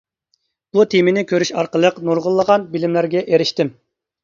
بۇ تېمىنى كۆرۈش ئارقىلىق نۇرغۇنلىغان بىلىملەرگە ئېرىشتىم.